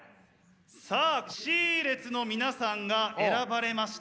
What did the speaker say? さあＣ列の皆さんが選ばれました。